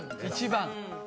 １番